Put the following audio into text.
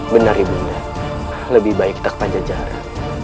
benar ibunda lebih baik kita ke pajajara